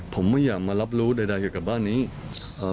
ผมไม่อยากมารับรู้ใดใดเกี่ยวกับบ้านนี้เอ่อ